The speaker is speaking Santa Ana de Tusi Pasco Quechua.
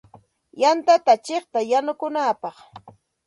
Yantata chiqtay yanukunapaq.